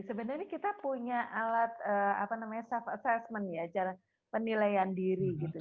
sebenarnya kita punya alat apa namanya self assessment ya cara penilaian diri gitu